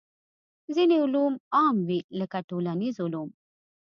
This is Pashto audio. ځینې علوم عام وي لکه ټولنیز علوم.